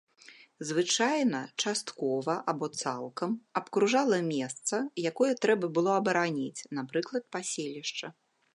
Звычайна, часткова або цалкам, абкружала месца, якое трэба было абараніць, напрыклад, паселішча.